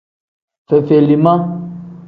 Fefelima.